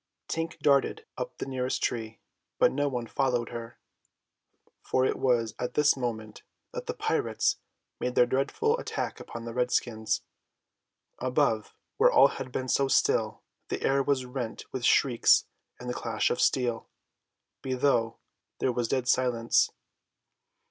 Tink darted up the nearest tree; but no one followed her, for it was at this moment that the pirates made their dreadful attack upon the redskins. Above, where all had been so still, the air was rent with shrieks and the clash of steel. Below, there was dead silence.